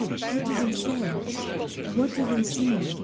What do they say? What do they sing?